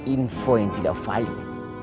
info yang tidak valid